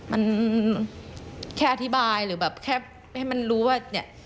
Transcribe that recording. มันแค่อธิบายหรือแบบแค่ให้มันรู้ว่าเนี่ย